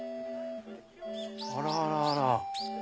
あらあらあら。